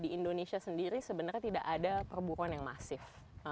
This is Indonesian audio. di indonesia sendiri sebenarnya tidak ada perburuan yang masif